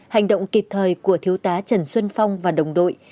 hành động kịp thời của thiếu tá trần xuân phong và đồng đội